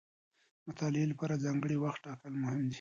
د مطالعې لپاره ځانګړی وخت ټاکل مهم دي.